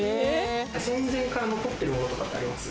創業から残っているものってあります。